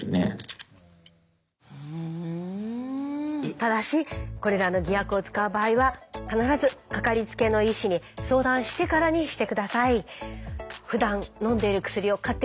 ただしこれらの偽薬を使う場合は必ず掛かりつけの医師に相談してからにして下さい。